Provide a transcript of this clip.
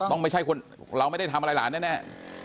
ไม่ใช่คนเราไม่ได้ทำอะไรหลานแน่